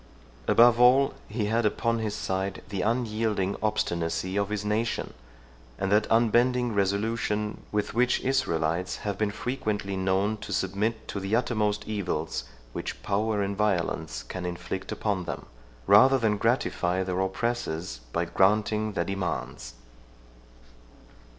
Above all, he had upon his side the unyielding obstinacy of his nation, and that unbending resolution, with which Israelites have been frequently known to submit to the uttermost evils which power and violence can inflict upon them, rather than gratify their oppressors by granting their demands.